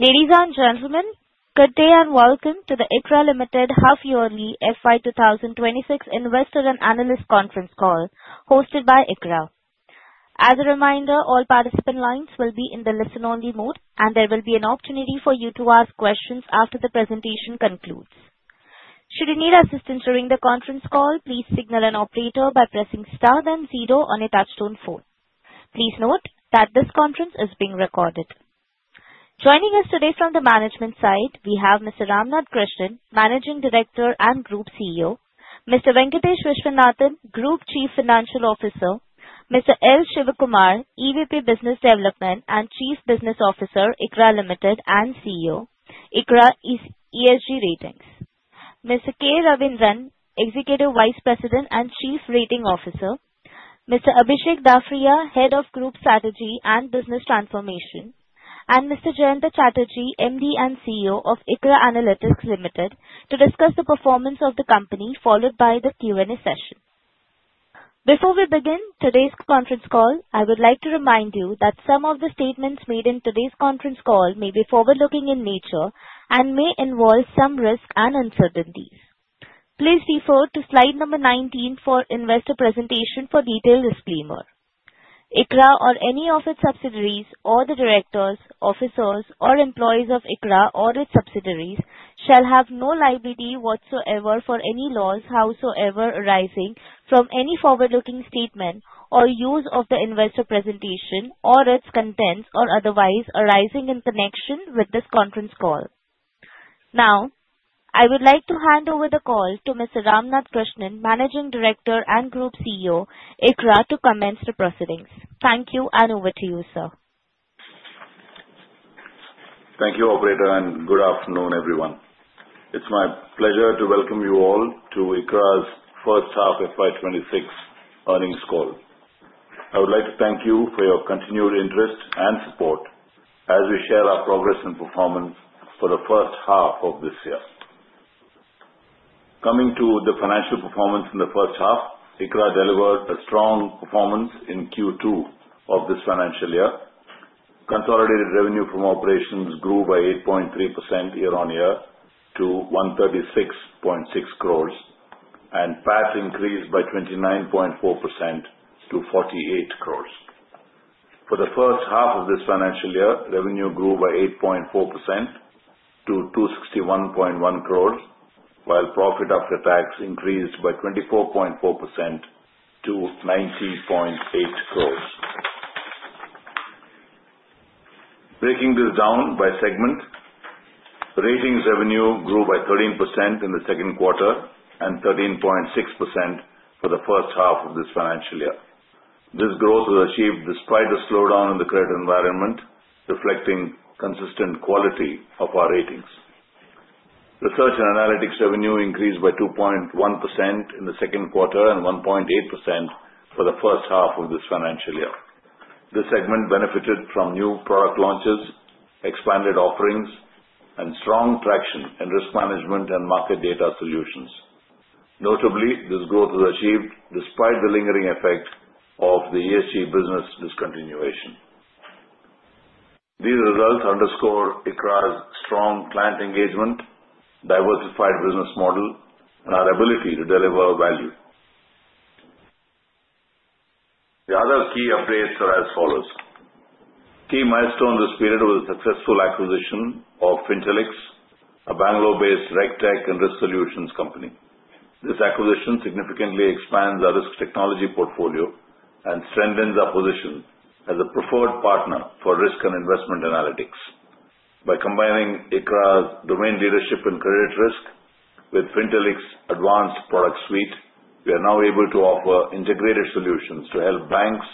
Ladies and gentlemen, good day and welcome to the ICRA Limited Half-Yearly FY 2026 Investor and Analyst Conference Call, hosted by ICRA. As a reminder, all participant lines will be in the listen-only mode, and there will be an opportunity for you to ask questions after the presentation concludes. Should you need assistance during the conference call, please signal an operator by pressing star then zero on a touch-tone phone. Please note that this conference is being recorded. Joining us today from the management side, we have Mr. Ramnath Krishnan, Managing Director and Group CEO, Mr. Venkatesh Viswanathan, Group Chief Financial Officer, Mr. L. Shivakumar, EVP Business Development and Chief Business Officer, ICRA Limited and CEO, ICRA ESG Ratings, Mr. K. Ravindran, Executive Vice President and Chief Rating Officer, Mr. Abhishek Dafriya, Head of Group Strategy and Business Transformation, and Mr. Jayant Chatterjee, MD and CEO of ICRA Analytics Limited, to discuss the performance of the company, followed by the Q&A session. Before we begin today's conference call, I would like to remind you that some of the statements made in today's conference call may be forward-looking in nature and may involve some risks and uncertainties. Please refer to slide number 19 for the investor presentation for a detailed disclaimer. ICRA or any of its subsidiaries, or the directors, officers, or employees of ICRA or its subsidiaries shall have no liability whatsoever for any loss howsoever arising from any forward-looking statement or use of the investor presentation or its contents or otherwise arising in connection with this conference call. Now, I would like to hand over the call to Mr. Ramnath Krishnan, Managing Director and Group CEO, ICRA, to commence the proceedings. Thank you, and over to you, sir. Thank you, Operator, and good afternoon, everyone. It's my pleasure to welcome you all to ICRA's First Half of FY 2026 Earnings Call. I would like to thank you for your continued interest and support as we share our progress and performance for the first half of this year. Coming to the financial performance in the first half, ICRA delivered a strong performance in Q2 of this financial year. Consolidated revenue from operations grew by 8.3% year-on-year to 136.6 crores, and PAT increased by 29.4% to 48 crores. For the first half of this financial year, revenue grew by 8.4% to 261.1 crores, while profit after tax increased by 24.4% to INR 90.8 crores. Breaking this down by segment, ratings revenue grew by 13% in the second quarter and 13.6% for the first half of this financial year. This growth was achieved despite a slowdown in the credit environment, reflecting consistent quality of our ratings. Research and analytics revenue increased by 2.1% in the second quarter and 1.8% for the first half of this financial year. This segment benefited from new product launches, expanded offerings, and strong traction in risk management and market data solutions. Notably, this growth was achieved despite the lingering effect of the ESG business discontinuation. These results underscore ICRA's strong client engagement, diversified business model, and our ability to deliver value. The other key updates are as follows. Key milestones this period were the successful acquisition of Fintellix, a Bangalore-based RegTech and risk solutions company. This acquisition significantly expands our risk technology portfolio and strengthens our position as a preferred partner for risk and investment analytics. By combining ICRA's domain leadership in credit risk with Fintellix's advanced product suite, we are now able to offer integrated solutions to help banks,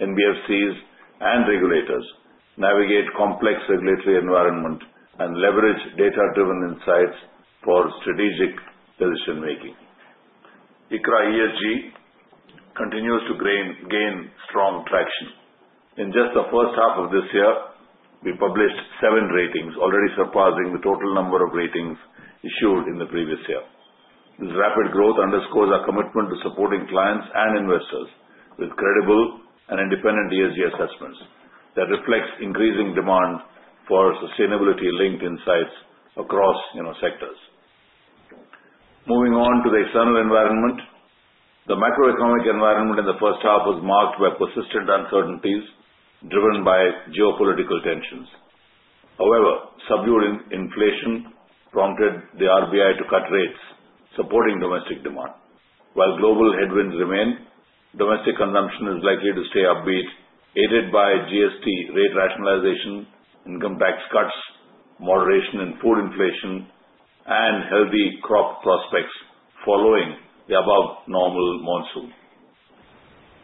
NBFCs, and regulators navigate complex regulatory environments and leverage data-driven insights for strategic decision-making. ICRA ESG continues to gain strong traction. In just the first half of this year, we published seven ratings, already surpassing the total number of ratings issued in the previous year. This rapid growth underscores our commitment to supporting clients and investors with credible and independent ESG assessments that reflect increasing demand for sustainability-linked insights across sectors. Moving on to the external environment, the macroeconomic environment in the first half was marked by persistent uncertainties driven by geopolitical tensions. However, subdued inflation prompted the RBI to cut rates, supporting domestic demand. While global headwinds remain, domestic consumption is likely to stay upbeat, aided by GST rate rationalization, income tax cuts, moderation in food inflation, and healthy crop prospects following the above-normal monsoon.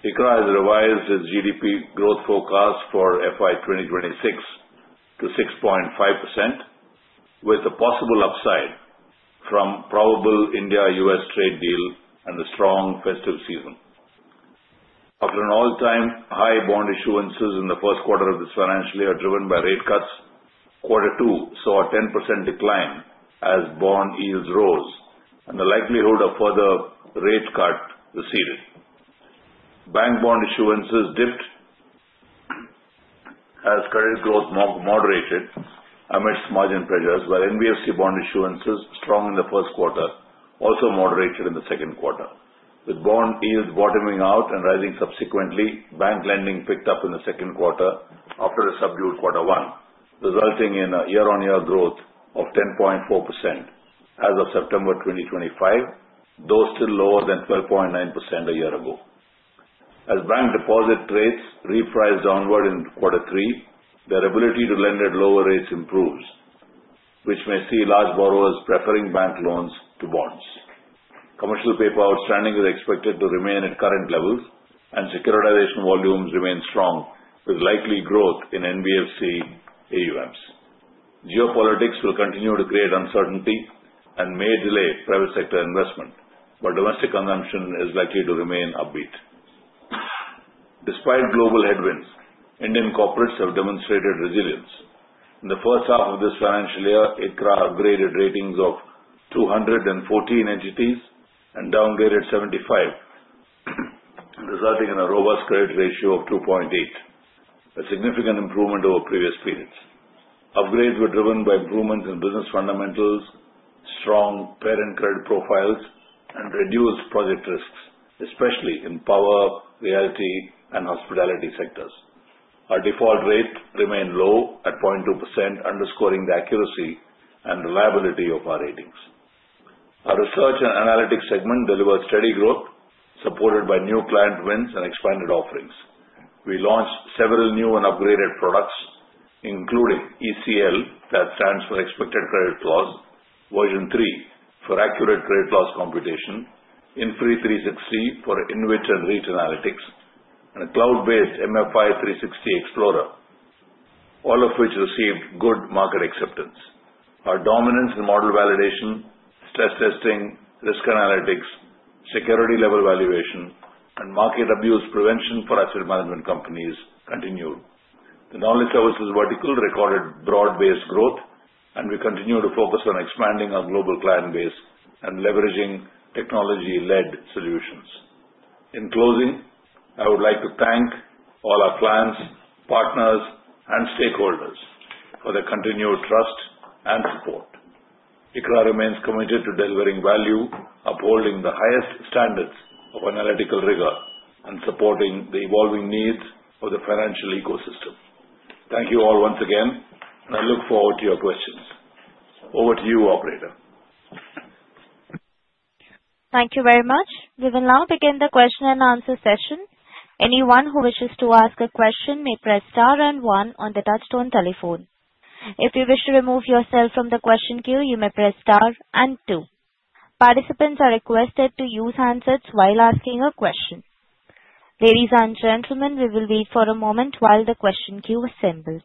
ICRA has revised its GDP growth forecast for FY 2026 to 6.5%, with a possible upside from a probable India-U.S. trade deal and a strong festive season. After an all-time high bond issuances in the first quarter of this financial year driven by rate cuts, Q2 saw a 10% decline as bond yields rose, and the likelihood of further rate cuts receded. Bank bond issuances dipped as credit growth moderated amidst margin pressures, while NBFC bond issuances strong in the first quarter, also moderated in the second quarter. With bond yields bottoming out and rising subsequently, bank lending picked up in the second quarter after a subdued Q1, resulting in a year-on-year growth of 10.4% as of September 2025, though still lower than 12.9% a year ago. As bank deposit rates repriced downward in Q3, their ability to lend at lower rates improves, which may see large borrowers preferring bank loans to bonds. Commercial paper outstanding is expected to remain at current levels, and securitization volumes remain strong, with likely growth in NBFC AUMs. Geopolitics will continue to create uncertainty and may delay private sector investment, while domestic consumption is likely to remain upbeat. Despite global headwinds, Indian corporates have demonstrated resilience. In the first half of this financial year, ICRA upgraded ratings of 214 entities and downgraded 75, resulting in a robust credit ratio of 2.8, a significant improvement over previous periods. Upgrades were driven by improvements in business fundamentals, strong parent credit profiles, and reduced project risks, especially in power, realty, and hospitality sectors. Our default rate remained low at 0.2%, underscoring the accuracy and reliability of our ratings. Our research and analytics segment delivered steady growth, supported by new client wins and expanded offerings. We launched several new and upgraded products, including ECL, that stands for Expected Credit Loss Version 3, for accurate credit loss computation, MFI360 for inventory and rate analytics, and a cloud-based MFI360 Explorer, all of which received good market acceptance. Our dominance in model validation, stress testing, risk analytics, security-level valuation, and market abuse prevention for asset management companies continued. The knowledge services vertical recorded broad-based growth, and we continue to focus on expanding our global client base and leveraging technology-led solutions. In closing, I would like to thank all our clients, partners, and stakeholders for their continued trust and support. ICRA remains committed to delivering value, upholding the highest standards of analytical rigor, and supporting the evolving needs of the financial ecosystem. Thank you all once again, and I look forward to your questions. Over to you, Operator. Thank you very much. We will now begin the question and answer session. Anyone who wishes to ask a question may press star and one on the touch-tone telephone. If you wish to remove yourself from the question queue, you may press star and two. Participants are requested to use handsets while asking a question. Ladies and gentlemen, we will wait for a moment while the question queue assembles.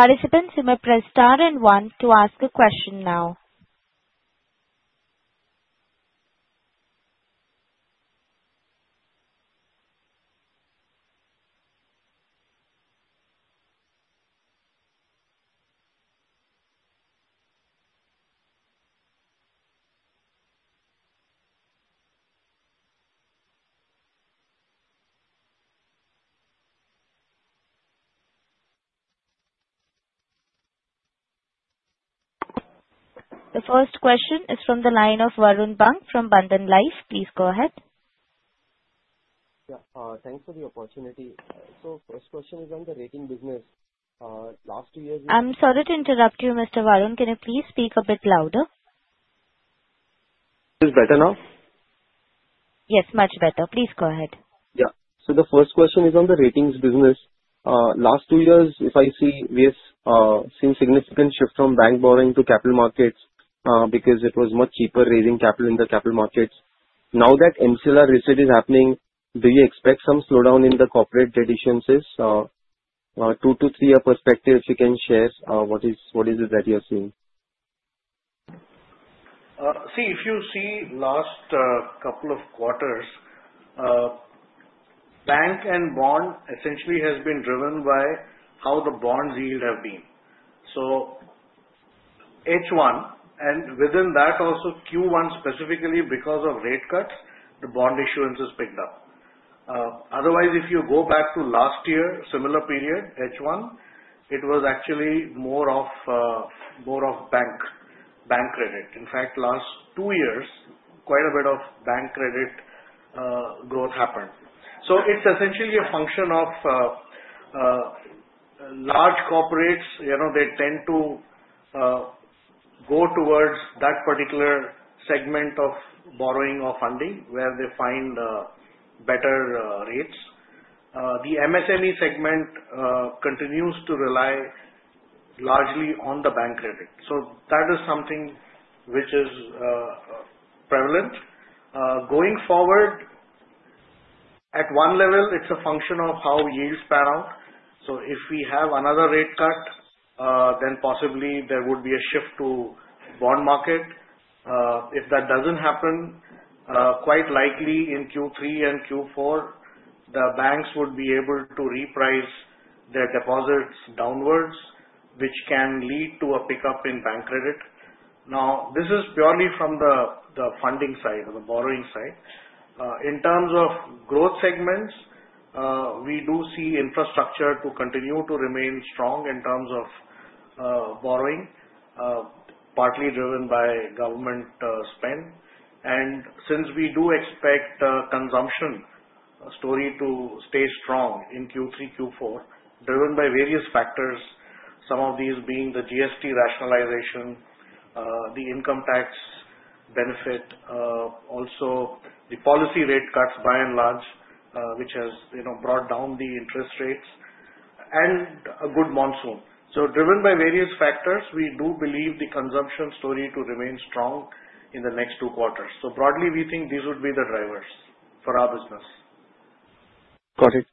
Participants, you may press star and one to ask a question now. The first question is from the line of Varun Bang from Bandhan Life. Please go ahead. Thanks for the opportunity. So the first question is on the rating business. Last two years. I'm sorry to interrupt you, Mr. Varun. Can you please speak a bit louder? Is it better now? Yes, much better. Please go ahead. Yeah. So the first question is on the ratings business. Last two years, if I see, we have seen a significant shift from bank borrowing to capital markets because it was much cheaper raising capital in the capital markets. Now that MCLR reset is happening, do you expect some slowdown in the corporate debt issuances? Two- to three-year perspective, if you can share what is it that you're seeing. See, if you see the last couple of quarters, bank and bond essentially have been driven by how the bond yields have been. So H1, and within that, also Q1 specifically, because of rate cuts, the bond issuances picked up. Otherwise, if you go back to last year, a similar period, H1, it was actually more of bank credit. In fact, the last two years, quite a bit of bank credit growth happened. So it's essentially a function of large corporates. They tend to go towards that particular segment of borrowing or funding where they find better rates. The MSME segment continues to rely largely on the bank credit. So that is something which is prevalent. Going forward, at one level, it's a function of how yields pan out. So if we have another rate cut, then possibly there would be a shift to the bond market. If that doesn't happen, quite likely in Q3 and Q4, the banks would be able to reprice their deposits downwards, which can lead to a pickup in bank credit. Now, this is purely from the funding side or the borrowing side. In terms of growth segments, we do see infrastructure to continue to remain strong in terms of borrowing, partly driven by government spend, and since we do expect the consumption story to stay strong in Q3, Q4, driven by various factors, some of these being the GST rationalization, the income tax benefit, also the policy rate cuts, by and large, which has brought down the interest rates, and a good monsoon, so driven by various factors, we do believe the consumption story to remain strong in the next two quarters, so broadly, we think these would be the drivers for our business. Got it.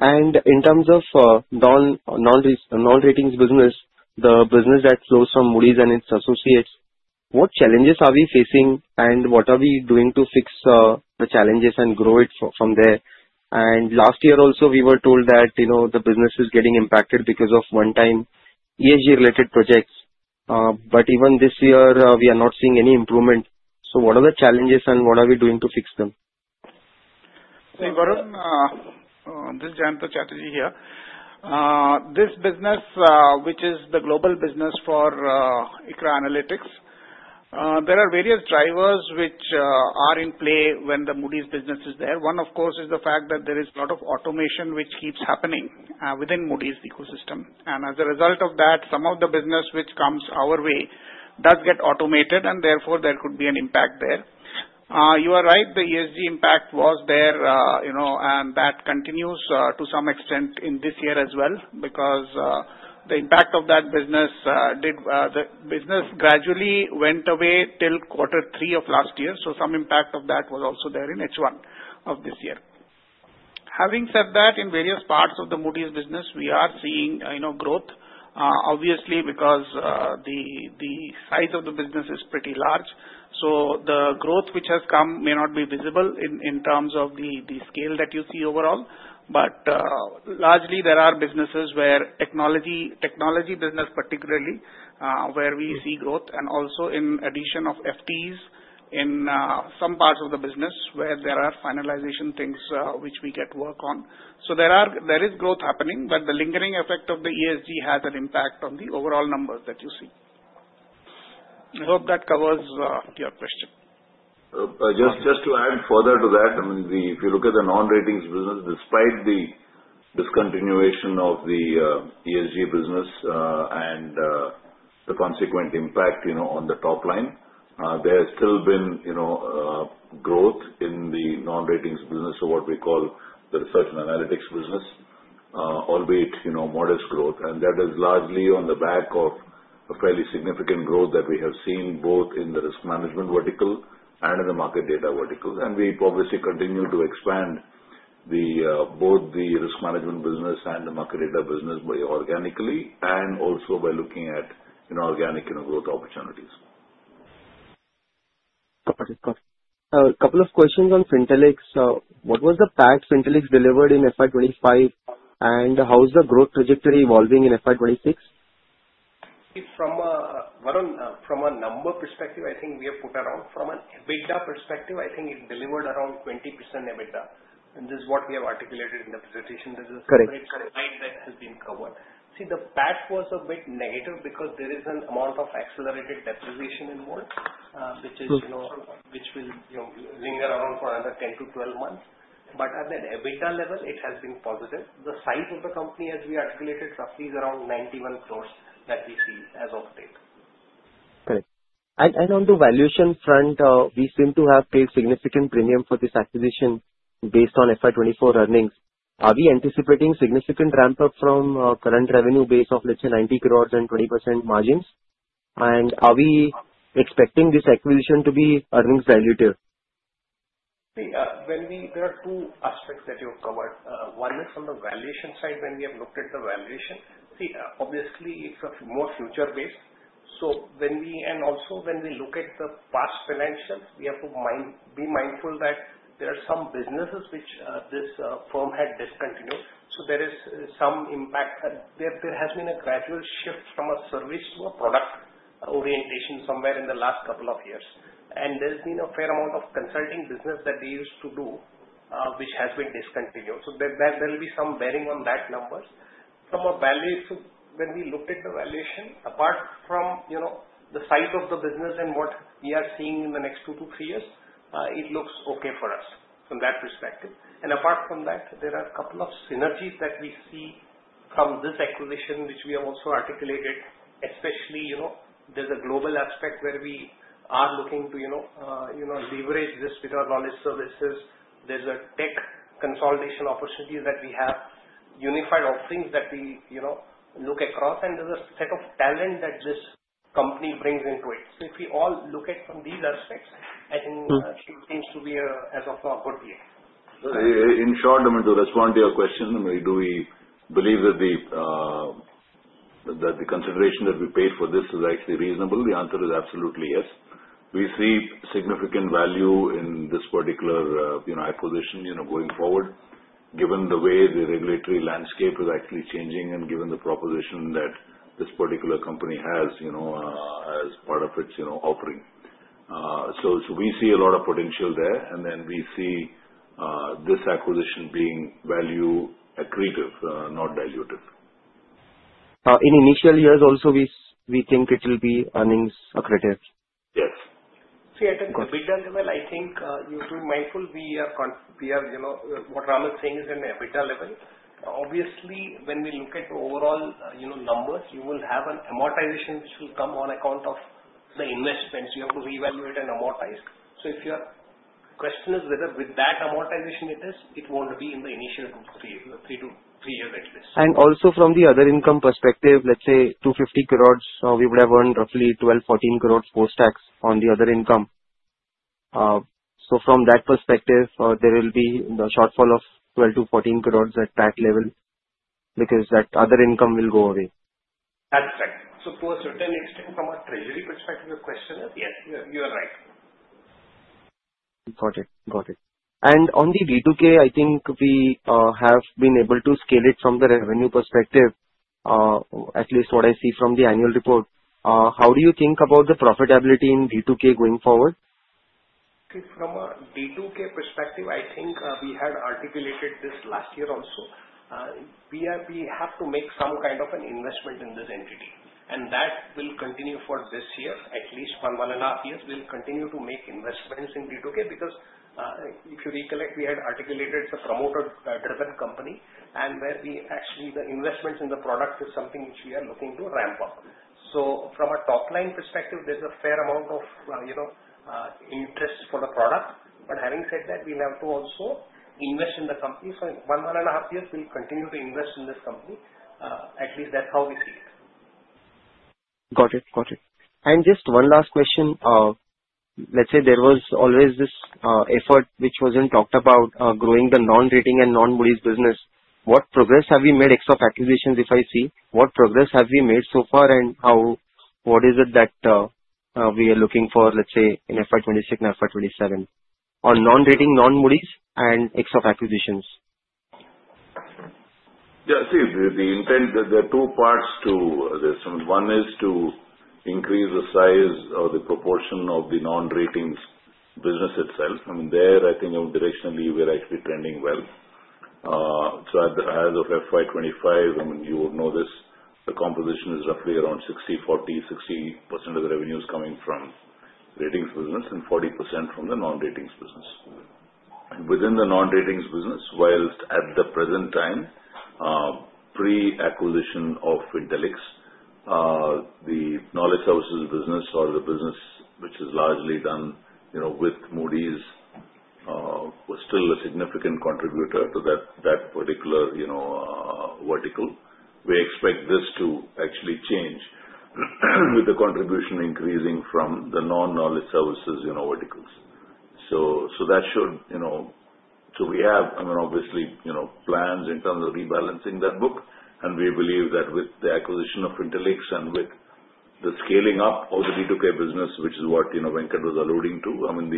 And in terms of non-ratings business, the business that flows from Moody's and its associates, what challenges are we facing, and what are we doing to fix the challenges and grow it from there? And last year also, we were told that the business is getting impacted because of one-time ESG-related projects. But even this year, we are not seeing any improvement. So what are the challenges, and what are we doing to fix them? See, Varun, this is Jayant Chatterjee here. This business, which is the global business for ICRA Analytics, there are various drivers which are in play when the Moody's business is there. One, of course, is the fact that there is a lot of automation which keeps happening within Moody's ecosystem. And as a result of that, some of the business which comes our way does get automated, and therefore, there could be an impact there. You are right. The ESG impact was there, and that continues to some extent in this year as well because the impact of that business gradually went away till Q3 of last year. Some impact of that was also there in H1 of this year. Having said that, in various parts of the Moody's business, we are seeing growth, obviously, because the size of the business is pretty large. So the growth which has come may not be visible in terms of the scale that you see overall. But largely, there are businesses where technology business, particularly, where we see growth, and also in addition of FTEs in some parts of the business where there are finalization things which we get work on. So there is growth happening, but the lingering effect of the ESG has an impact on the overall numbers that you see. I hope that covers your question. Just to add further to that, if you look at the non-ratings business, despite the discontinuation of the ESG business and the consequent impact on the top line, there has still been growth in the non-ratings business of what we call the research and analytics business, albeit modest growth. That is largely on the back of a fairly significant growth that we have seen both in the risk management vertical and in the market data vertical. We obviously continue to expand both the risk management business and the market data business organically and also by looking at inorganic growth opportunities. Got it. Got it. A couple of questions on Fintellix. What was the PAT Fintellix delivered in FY 2025, and how is the growth trajectory evolving in FY 2026? See, Varun, from a number perspective, I think we have put around. From an EBITDA perspective, I think it delivered around 20% EBITDA, and this is what we have articulated in the presentation. Correct. That has been covered. See, the PAT was a bit negative because there is an amount of accelerated depreciation involved, which will linger around for another 10 months-12 months. But at an EBITDA level, it has been positive. The size of the company, as we articulated, roughly is around 91 crores that we see as of date. Correct. And on the valuation front, we seem to have paid significant premium for this acquisition based on FY 2024 earnings. Are we anticipating significant ramp-up from current revenue base of, let's say, 90 crores and 20% margins? And are we expecting this acquisition to be earnings-accretive? See, there are two aspects that you have covered. One is from the valuation side when we have looked at the valuation. See, obviously, it's more future-based. And also, when we look at the past financials, we have to be mindful that there are some businesses which this firm had discontinued. So there is some impact. There has been a gradual shift from a service to a product orientation somewhere in the last couple of years. And there's been a fair amount of consulting business that they used to do, which has been discontinued. So there will be some bearing on that numbers. From a value, when we looked at the valuation, apart from the size of the business and what we are seeing in the next two to three years, it looks okay for us from that perspective. And apart from that, there are a couple of synergies that we see from this acquisition, which we have also articulated. Especially, there's a global aspect where we are looking to leverage this with our knowledge services. There's a tech consolidation opportunity that we have, unified offerings that we look across, and there's a set of talent that this company brings into it. So if we all look at these aspects, I think it seems to be as of now a good deal. In short, to respond to your question, do we believe that the consideration that we paid for this is actually reasonable? The answer is absolutely yes. We see significant value in this particular acquisition going forward, given the way the regulatory landscape is actually changing and given the proposition that this particular company has as part of its offering. So we see a lot of potential there, and then we see this acquisition being value-accretive, not dilutive. In initial years, also, we think it will be earnings-accretive. Yes. See, at a deeper level, I think you have to be mindful. What Ram is saying is an EBITDA level. Obviously, when we look at the overall numbers, you will have an amortization which will come on account of the investments. You have to reevaluate and amortize. So if your question is whether with that amortization it is, it won't be in the initial three years at least. And also, from the other income perspective, let's say 250 crores. We would have earned roughly 12-14 crores post-tax on the other income. So from that perspective, there will be a shortfall of 12 crores-14 crores at PAT level because that other income will go away. That's correct. So to a certain extent, from a treasury perspective, your question is yes. You are right. Got it. Got it. And on the D2K, I think we have been able to scale it from the revenue perspective, at least what I see from the annual report. How do you think about the profitability in D2K going forward? From a D2K perspective, I think we had articulated this last year also. We have to make some kind of an investment in this entity, and that will continue for this year, at least for one and a half years. We'll continue to make investments in D2K because if you recollect, we had articulated it's a promoter-driven company, and where actually the investments in the product is something which we are looking to ramp up, so from a top-line perspective, there's a fair amount of interest for the product, but having said that, we'll have to also invest in the company, so one and a half years, we'll continue to invest in this company. At least that's how we see it. Got it. Got it. And just one last question. Let's say there was always this effort which wasn't talked about, growing the non-rating and non-Moody's business. What progress have we made except acquisitions, if I see? What progress have we made so far, and what is it that we are looking for, let's say, in FY 2026 and FY 2027? On non-rating, non-Moody's, and except acquisitions. Yeah. See, the intent, there are two parts to this. One is to increase the size or the proportion of the non-ratings business itself. I mean, there, I think directionally, we're actually trending well. So as of FY 2025, I mean, you would know this, the composition is roughly around 60%, 40%, 60% of the revenue is coming from ratings business and 40% from the non-ratings business. Within the non-ratings business, while at the present time, pre-acquisition of Fintellix, the knowledge services business or the business which is largely done with Moody's was still a significant contributor to that particular vertical. We expect this to actually change with the contribution increasing from the non-knowledge services verticals. So that should we have, I mean, obviously, plans in terms of rebalancing that book. We believe that with the acquisition of Fintellix and with the scaling up of the D2K business, which is what Venkat was alluding to, I mean,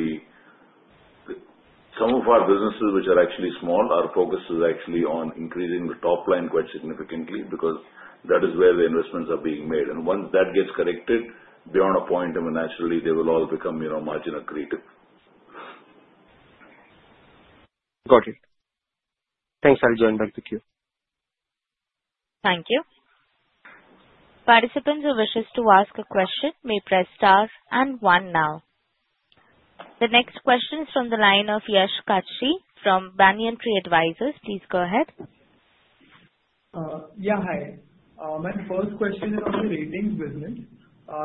some of our businesses which are actually small, our focus is actually on increasing the top line quite significantly because that is where the investments are being made. Once that gets corrected, beyond a point, I mean, naturally, they will all become margin-accretive. Got it. Thanks. I'll join back the queue. Thank you. Participants who wish to ask a question may press stars and one now. The next question is from the line of Harsh Kachchhi from Banyan Tree Advisors. Please go ahead. Yeah. Hi. My first question is on the ratings business.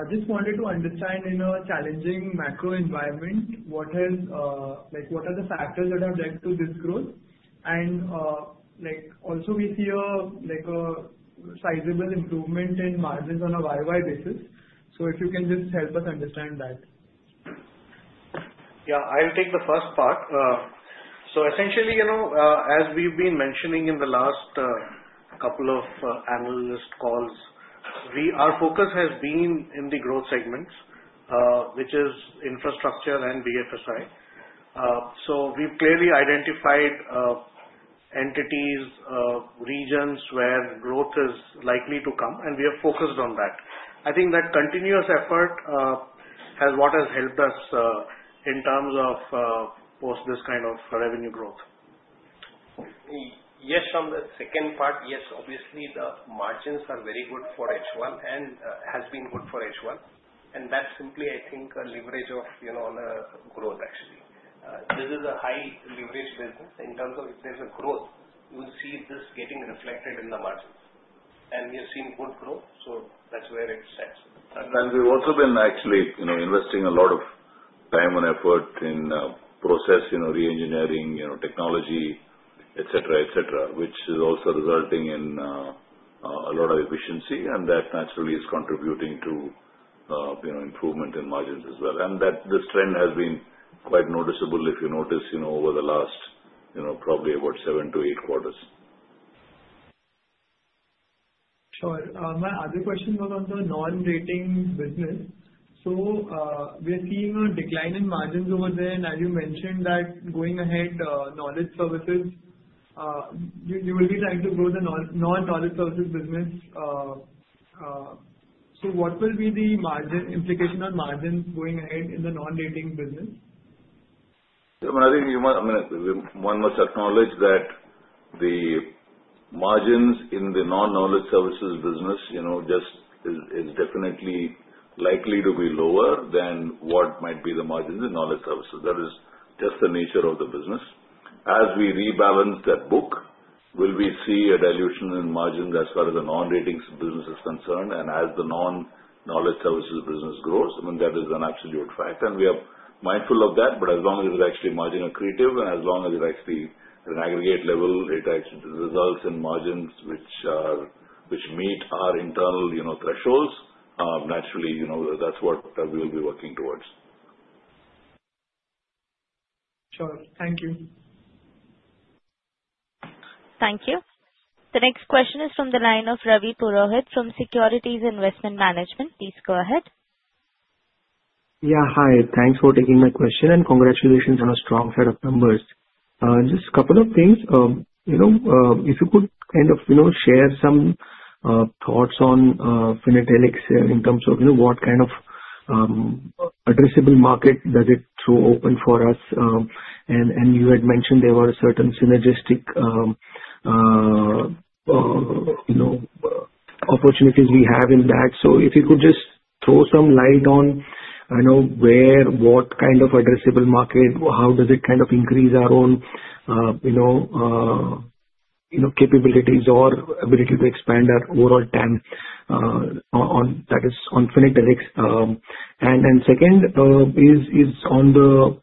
Just wanted to understand in a challenging macro environment, what are the factors that have led to this growth? And also, we see a sizable improvement in margins on a Y-o-Y basis. So if you can just help us understand that. Yeah. I'll take the first part, so essentially, as we've been mentioning in the last couple of analyst calls, our focus has been in the growth segments, which is infrastructure and BFSI, so we've clearly identified entities, regions where growth is likely to come, and we have focused on that. I think that continuous effort has what has helped us in terms of both this kind of revenue growth. Yes. On the second part, yes, obviously, the margins are very good for H1 and has been good for H1, and that's simply, I think, a leverage of the growth, actually. This is a high-leverage business. In terms of if there's a growth, you'll see this getting reflected in the margins, and we have seen good growth, so that's where it sits. And we've also been actually investing a lot of time and effort in process re-engineering, technology, etc., etc., which is also resulting in a lot of efficiency. And that naturally is contributing to improvement in margins as well. And this trend has been quite noticeable, if you notice, over the last probably about seven to eight quarters. Sure. My other question was on the non-rating business. So we are seeing a decline in margins over there. And as you mentioned that going ahead, knowledge services, you will be trying to grow the non-knowledge services business. So what will be the implication on margins going ahead in the non-rating business? I mean, I think one must acknowledge that the margins in the non-knowledge services business just is definitely likely to be lower than what might be the margins in knowledge services. That is just the nature of the business. As we rebalance that book, we'll see a dilution in margins as far as the non-ratings business is concerned. And as the non-knowledge services business grows, I mean, that is an absolute fact. And we are mindful of that. But as long as it is actually margin-accretive and as long as it actually at an aggregate level, it actually results in margins which meet our internal thresholds, naturally, that's what we will be working towards. Sure. Thank you. Thank you. The next question is from the line of Ravi Purohit from Securities Investment Management. Please go ahead. Yeah. Hi. Thanks for taking my question and congratulations on a strong set of numbers. Just a couple of things. If you could kind of share some thoughts on Fintellix in terms of what kind of addressable market does it throw open for us. And you had mentioned there were certain synergistic opportunities we have in that. So if you could just throw some light on where, what kind of addressable market, how does it kind of increase our own capabilities or ability to expand our overall time on that is on Fintellix. And second is on the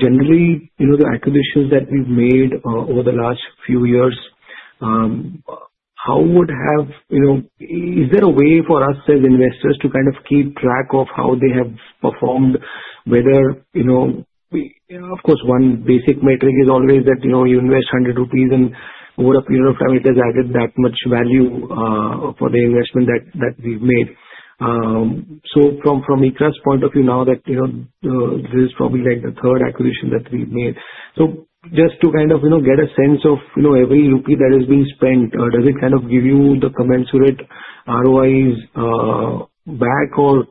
generally the acquisitions that we've made over the last few years, how would have is there a way for us as investors to kind of keep track of how they have performed? Of course, one basic metric is always that you invest 100 rupees and over a period of time, it has added that much value for the investment that we've made. So from ICRA's point of view, now that this is probably the third acquisition that we've made. So just to kind of get a sense of every rupee that is being spent, does it kind of give you the commensurate ROIs back? Or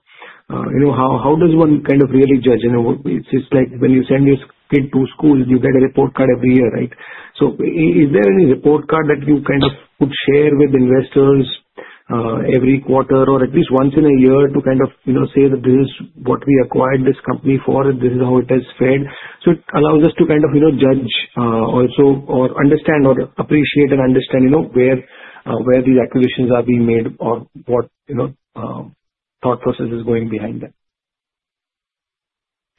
how does one kind of really judge? It's like when you send your kid to school, you get a report card every year, right? So is there any report card that you kind of could share with investors every quarter or at least once in a year to kind of say that this is what we acquired this company for and this is how it has fared? So it allows us to kind of judge or understand or appreciate and understand where these acquisitions are being made or what thought process is going behind them.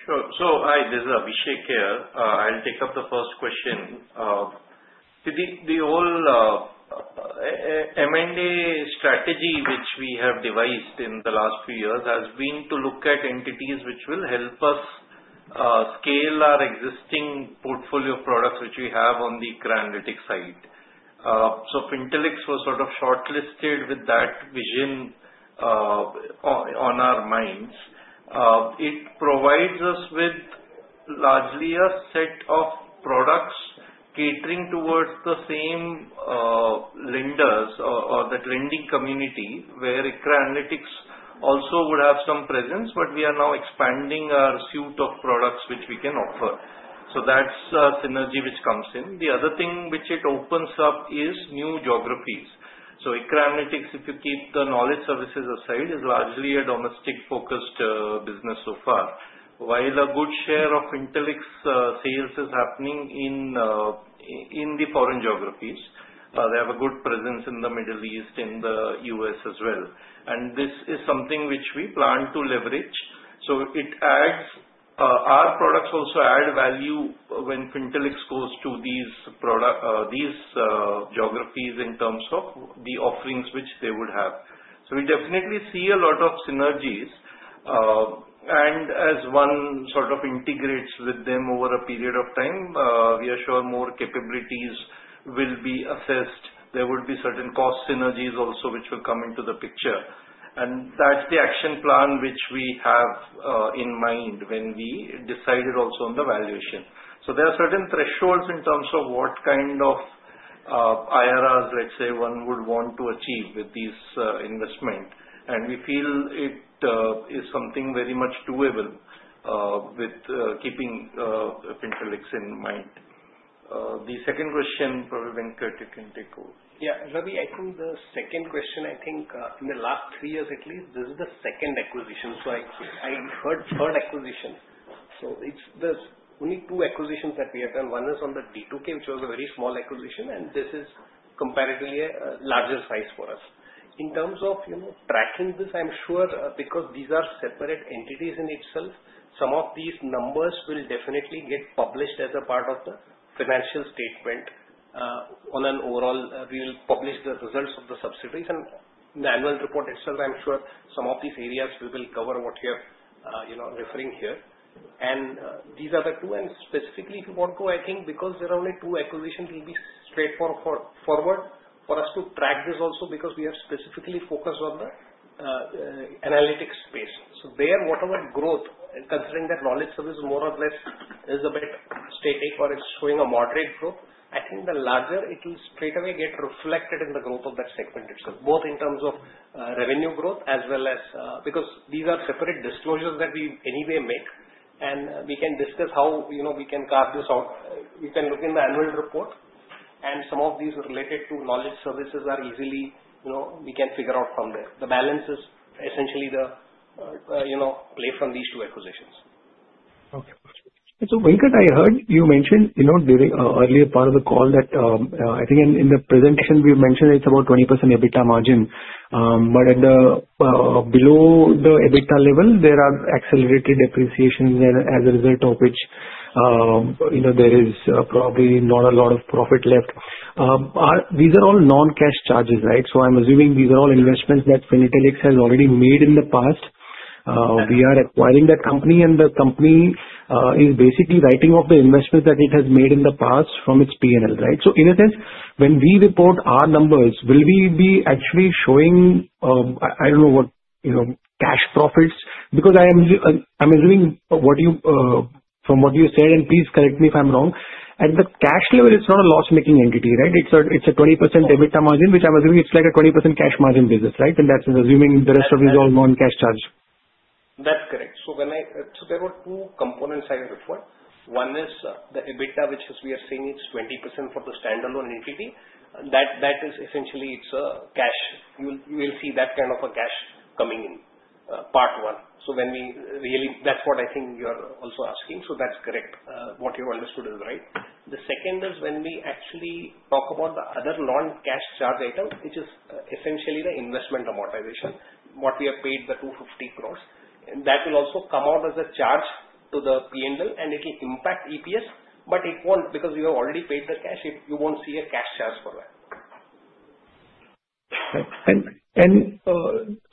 Sure. So hi, this is Abhishek here. I'll take up the first question. The whole M&A strategy which we have devised in the last few years has been to look at entities which will help us scale our existing portfolio products which we have on the ICRA Analytics side. So Fintellix was sort of shortlisted with that vision on our minds. It provides us with largely a set of products catering towards the same lenders or the lending community where ICRA Analytics also would have some presence, but we are now expanding our suite of products which we can offer. So that's a synergy which comes in. The other thing which it opens up is new geographies. So ICRA Analytics, if you keep the knowledge services aside, is largely a domestic-focused business so far, while a good share of Fintellix sales is happening in the foreign geographies. They have a good presence in the Middle East, in the U.S. as well. And this is something which we plan to leverage. So our products also add value when Fintellix goes to these geographies in terms of the offerings which they would have. So we definitely see a lot of synergies. And as one sort of integrates with them over a period of time, we are sure more capabilities will be assessed. There would be certain cost synergies also which will come into the picture. And that's the action plan which we have in mind when we decided also on the valuation. So there are certain thresholds in terms of what kind of IRRs, let's say, one would want to achieve with this investment. And we feel it is something very much doable with keeping Fintellix in mind. The second question, probably Venkat, you can take over. Yeah. Ravi, I think the second question. I think in the last three years at least, this is the second acquisition. So I heard third acquisition. So it's the only two acquisitions that we have done. One is on the D2K, which was a very small acquisition, and this is comparatively a larger size for us. In terms of tracking this, I'm sure because these are separate entities in itself, some of these numbers will definitely get published as a part of the financial statement on an overall. We'll publish the results of the subsidiaries. And the annual report itself, I'm sure some of these areas we will cover what you're referring here. And these are the two. And specifically, if you want to, I think because there are only two acquisitions, it will be straightforward for us to track this also because we have specifically focused on the analytics space. So, whatever growth, considering that knowledge service more or less is a bit static or it's showing a moderate growth, I think the larger it will straightaway get reflected in the growth of that segment itself, both in terms of revenue growth as well as because these are separate disclosures that we anyway make. And we can discuss how we can carve this out. You can look in the annual report, and some of these related to knowledge services we can easily figure out from there. The balance is essentially the play from these two acquisitions. Okay. So Venkat, I heard you mentioned earlier part of the call that I think in the presentation, we've mentioned it's about 20% EBITDA margin. But below the EBITDA level, there are accelerated depreciations as a result of which there is probably not a lot of profit left. These are all non-cash charges, right? So I'm assuming these are all investments that Fintellix has already made in the past. We are acquiring that company, and the company is basically writing off the investments that it has made in the past from its P&L, right? So in a sense, when we report our numbers, will we be actually showing I don't know what cash profits? Because I'm assuming from what you said, and please correct me if I'm wrong, at the cash level, it's not a loss-making entity, right? It's a 20% EBITDA margin, which I'm assuming it's like a 20% cash margin business, right? And that's assuming the rest of it is all non-cash charge. That's correct. So there were two components I'll refer. One is the EBITDA, which we are seeing it's 20% for the standalone entity. That is essentially it's a cash. You will see that kind of a cash coming in part one. So that's what I think you're also asking. So that's correct. What you understood is right. The second is when we actually talk about the other non-cash charge item, which is essentially the investment amortization, what we have paid, the 250,000 crores, that will also come out as a charge to the P&L, and it will impact EPS. But it won't because you have already paid the cash. You won't see a cash charge for that. And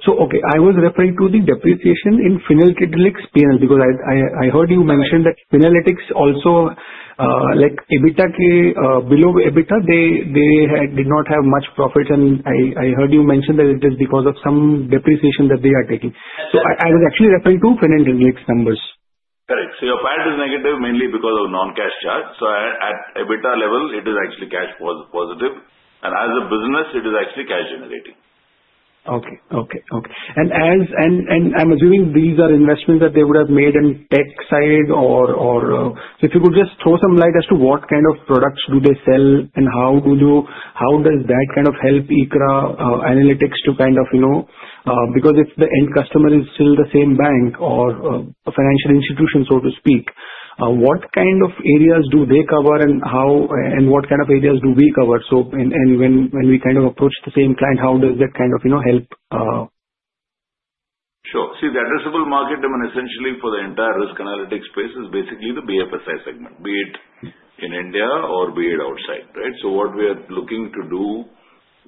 so, okay, I was referring to the depreciation in Fintellix P&L because I heard you mentioned that Fintellix also below EBITDA, they did not have much profit. And I heard you mentioned that it is because of some depreciation that they are taking. So I was actually referring to Fintellix numbers. Correct. So your part is negative mainly because of non-cash charge. So at EBITDA level, it is actually cash positive. And as a business, it is actually cash generating. Okay. And I'm assuming these are investments that they would have made in tech side. So if you could just throw some light as to what kind of products do they sell and how does that kind of help ICRA Analytics to kind of because the end customer is still the same bank or financial institution, so to speak. What kind of areas do they cover and what kind of areas do we cover, and when we kind of approach the same client, how does that kind of help? Sure. See, the addressable market, I mean, essentially for the entire risk analytics space is basically the BFSI segment, be it in India or be it outside, right? So what we are looking to do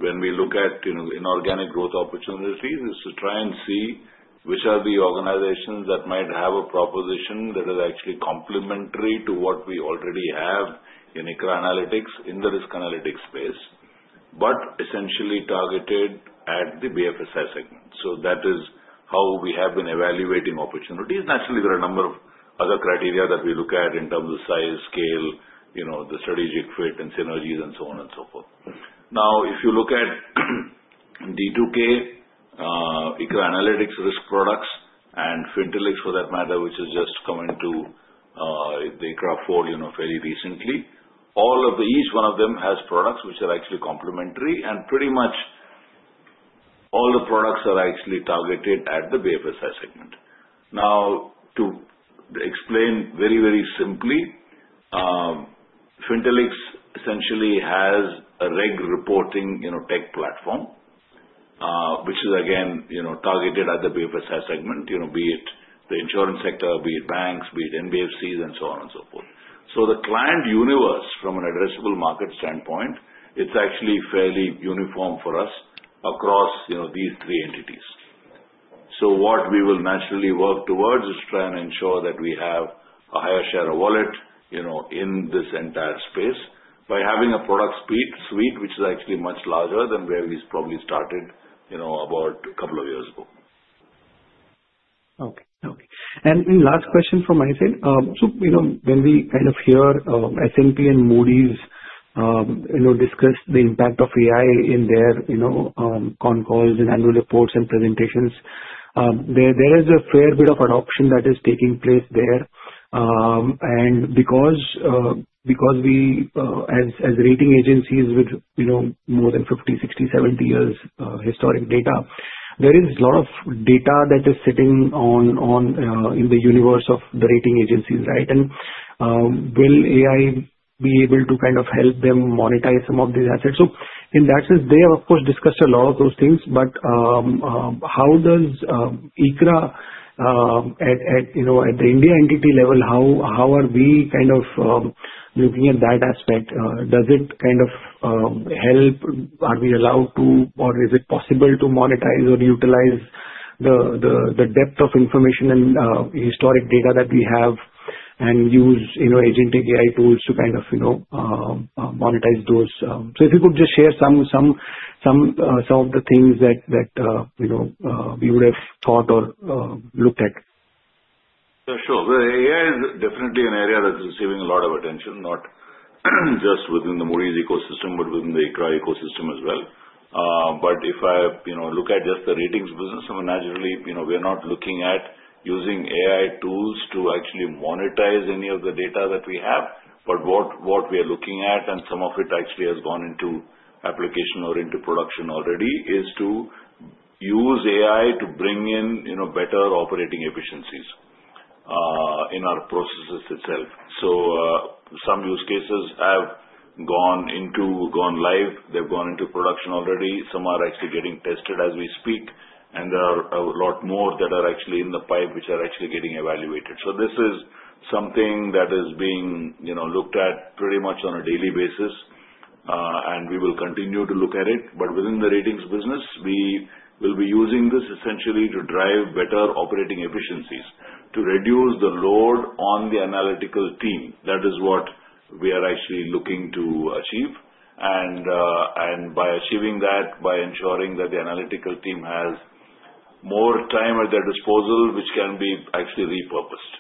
when we look at inorganic growth opportunities is to try and see which are the organizations that might have a proposition that is actually complementary to what we already have in ICRA Analytics in the risk analytics space, but essentially targeted at the BFSI segment. So that is how we have been evaluating opportunities. Naturally, there are a number of other criteria that we look at in terms of size, scale, the strategic fit and synergies and so on and so forth. Now, if you look at D2K, ICRA Analytics risk products, and Fintellix for that matter, which has just come into the ICRA fold fairly recently, each one of them has products which are actually complementary, and pretty much all the products are actually targeted at the BFSI segment. Now, to explain very, very simply, Fintellix essentially has a reg-reporting tech platform, which is again targeted at the BFSI segment, be it the insurance sector, be it banks, be it NBFCs, and so on and so forth, so the client universe from an addressable market standpoint, it's actually fairly uniform for us across these three entities, so what we will naturally work towards is try and ensure that we have a higher share of wallet in this entire space by having a product suite which is actually much larger than where we probably started about a couple of years ago. Okay. Okay. And last question from my side. So when we kind of hear S&P and Moody's discuss the impact of AI in their con calls and annual reports and presentations, there is a fair bit of adoption that is taking place there. And because we, as rating agencies, with more than 50 years, 60 years, 70 years historic data, there is a lot of data that is sitting in the universe of the rating agencies, right? And will AI be able to kind of help them monetize some of these assets? So in that sense, they have, of course, discussed a lot of those things. But how does ICRA at the India entity level, how are we kind of looking at that aspect? Does it kind of help? Are we allowed to, or is it possible to monetize or utilize the depth of information and historic data that we have and use agentic AI tools to kind of monetize those? So if you could just share some of the things that we would have thought or looked at. Sure. The AI is definitely an area that's receiving a lot of attention, not just within the Moody's ecosystem, but within the ICRA ecosystem as well. But if I look at just the ratings business, I mean, naturally, we're not looking at using AI tools to actually monetize any of the data that we have. But what we are looking at, and some of it actually has gone into application or into production already, is to use AI to bring in better operating efficiencies in our processes itself. So some use cases have gone live. They've gone into production already. Some are actually getting tested as we speak. And there are a lot more that are actually in the pipe which are actually getting evaluated. So this is something that is being looked at pretty much on a daily basis. And we will continue to look at it. But within the ratings business, we will be using this essentially to drive better operating efficiencies, to reduce the load on the analytical team. That is what we are actually looking to achieve. And by achieving that, by ensuring that the analytical team has more time at their disposal, which can be actually repurposed.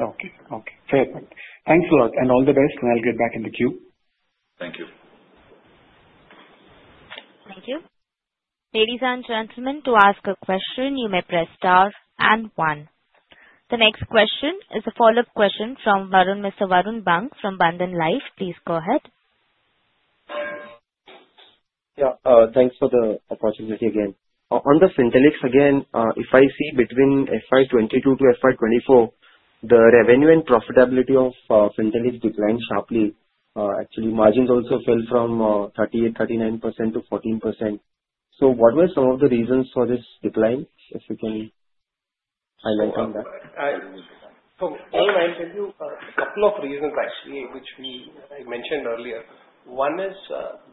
Okay. Okay. Fair point. Thanks a lot and all the best, and I'll get back in the queue. Thank you. Thank you. Ladies and gentlemen, to ask a question, you may press star and one. The next question is a follow-up question from Mr. Varun Bang from Bandhan Life. Please go ahead. Yeah. Thanks for the opportunity again. On the Fintellix again, if I see between FY 2022-FY 2024, the revenue and profitability of Fintellix declined sharply. Actually, margins also fell from 38%-39% to 14%. So what were some of the reasons for this decline? If you can highlight on that. So again, I'll tell you a couple of reasons actually which I mentioned earlier. One is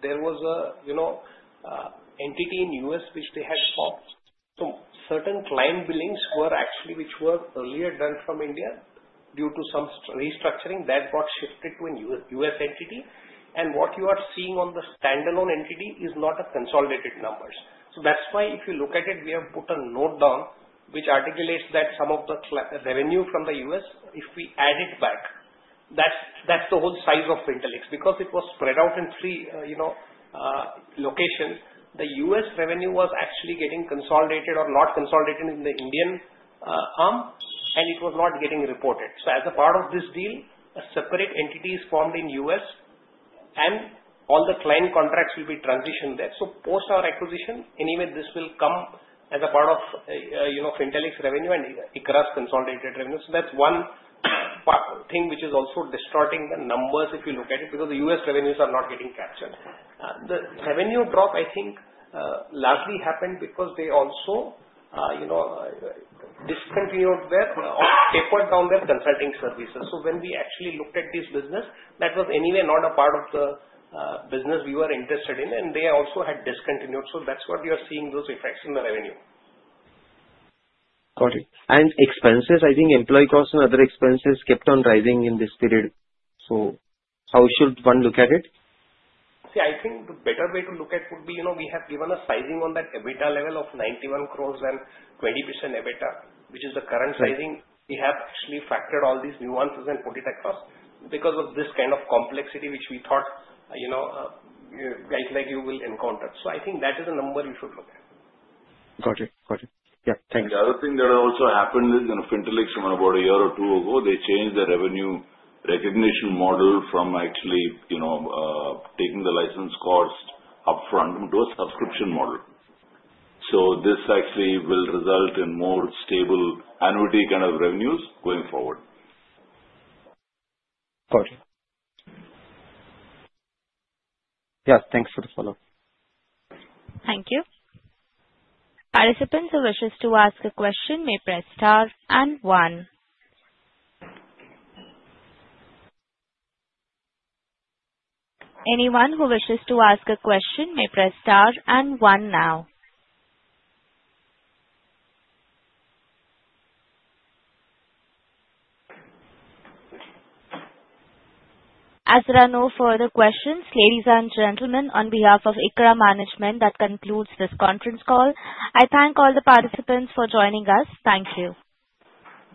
there was an entity in the U.S. which they had swapped. So certain client billings were actually which were earlier done from India due to some restructuring. That got shifted to a U.S. entity. And what you are seeing on the standalone entity is not a consolidated numbers. So that's why if you look at it, we have put a note down which articulates that some of the revenue from the U.S., if we add it back, that's the whole size of Fintellix. Because it was spread out in three locations, the U.S. revenue was actually getting consolidated or not consolidated in the Indian arm, and it was not getting reported. So as a part of this deal, a separate entity is formed in the U.S., and all the client contracts will be transitioned there. Post our acquisition, anyway, this will come as a part of Fintellix revenue and ICRA's consolidated revenue. That's one thing which is also distorting the numbers if you look at it because the US revenues are not getting captured. The revenue drop, I think, largely happened because they also discontinued their or tapered down their consulting services. When we actually looked at this business, that was anyway not a part of the business we were interested in, and they also had discontinued. That's what we are seeing, those effects in the revenue. Got it. And expenses, I think employee costs and other expenses kept on rising in this period. So how should one look at it? See, I think the better way to look at it would be we have given a sizing on that EBITDA level of 91 crores and 20% EBITDA, which is the current sizing. We have actually factored all these nuances and put it across because of this kind of complexity which we thought guys like you will encounter. So I think that is a number you should look at. Got it. Got it. Yeah. Thanks. The other thing that also happened is Fintellix from about a year or two ago, they changed the revenue recognition model from actually taking the license cost upfront to a subscription model. So this actually will result in more stable annuity kind of revenues going forward. Got it. Yes. Thanks for the follow-up. Thank you. Participants who wish to ask a question may press star and one. Anyone who wishes to ask a question may press star and one now. As there are no further questions, ladies and gentlemen, on behalf of ICRA Management, that concludes this conference call. I thank all the participants for joining us. Thank you.